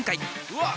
うわ！